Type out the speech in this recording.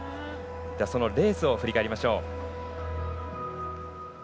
そのレースを振り返りましょう。